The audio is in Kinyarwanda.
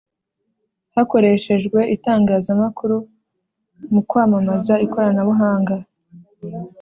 Hakoreshejwe itangazamakuru mu kwamamaza ikoranabuhanga